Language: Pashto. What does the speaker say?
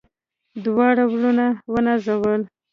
دواړه وروڼه ونازول.